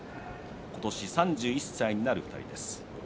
今年３１歳になる２人です。